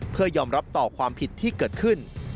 เพื่อยอมรับต่อความผิดที่เกิดขึ้น